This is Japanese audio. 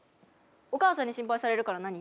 お母さんに心配されるから何？